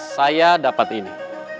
saya dapat ini